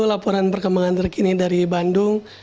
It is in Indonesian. laporan perkembangan terkini dari bandung